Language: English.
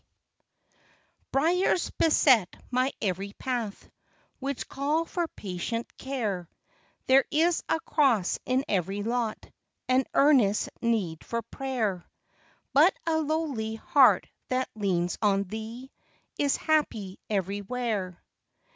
"DRIERS beset my every path, Which call for patient care ; There is a cross in every lot, An earnest need for prayer; But a lowly heart that leans on Thee, Is happy everywhere.